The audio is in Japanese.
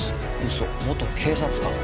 嘘元警察官？